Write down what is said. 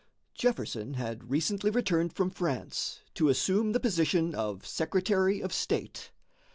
Jefferson had recently returned from France to assume the position of Secretary of State.